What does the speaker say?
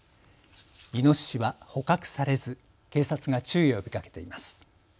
イノシシは捕獲されず警察が注意を呼びかけています。